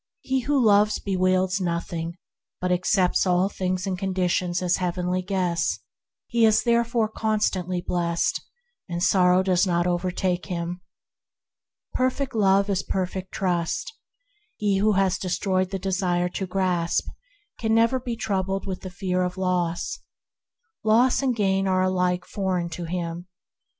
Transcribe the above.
He who loves bewails nothing, but accepts all things and conditions as heavenly guests; he is therefore constantly blessed, and sorrow does not overtake him. Perfect Love is perfect Trust. He who has destroyed the desire to grasp can never be troubled with the fear of loss. Loss and gain are alike foreign to him.